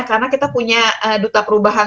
karena kita punya duta perubahan